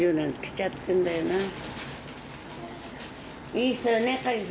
いい人よね。